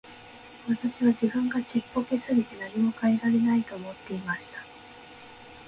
私は自分がちっぽけすぎて何も変えられないと思っていました。